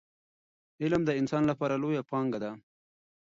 علم د انسان لپاره لویه پانګه ده.